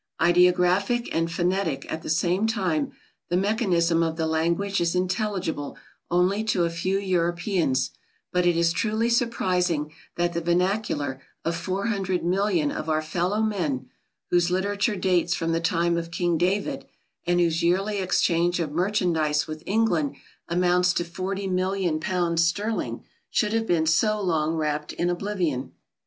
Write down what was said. Ideographic and phonetic at the same time, the mechanism of the language is intelligible only to a few Europeans; but it is truly surprising that the vernacular of 400,000,000 of our fellow men, whose literature dates from the time of King David, and whose yearly exchange of merchandise with England amounts to £40,000,000 sterling, should have been so long wrapped in oblivion.